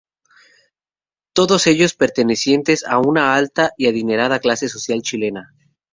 Todos ellos pertenecientes a una alta y adinerada clase social chilena.